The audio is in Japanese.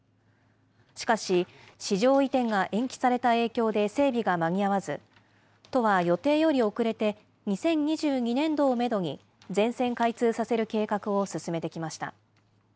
しかし、市場移転が延期された影響で整備が間に合わず、都は予定より遅れて、２０２２年度をメドに、全線開通させる計画を進めてきました。